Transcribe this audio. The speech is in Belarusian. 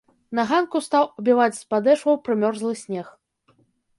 На ганку стаў абіваць з падэшваў прымёрзлы снег.